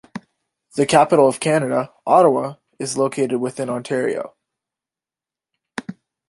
The capital of Canada, Ottawa is located within Ontario.